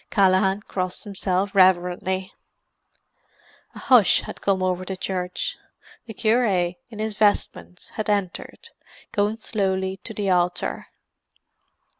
Callaghan crossed himself reverently. A hush had come over the church. The cure, in his vestments, had entered, going slowly to the altar.